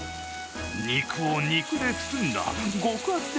肉を肉で包んだ極厚で